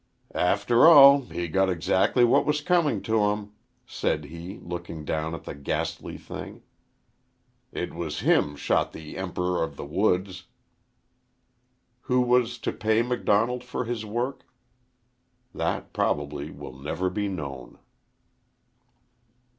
"After all, he got exac'ly what was comin' to him," said he, looking down at the ghastly thing. "It was him shot the 'Emp'ror o' the Woods.'" Who was to pay Macdonald for his work? That probably will never be known.